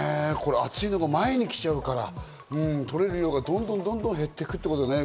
暑いのが前に来ちゃうから取れる量がどんどん減っていくってことだね。